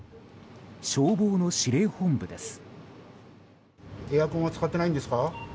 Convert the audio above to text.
消防の指令本部です。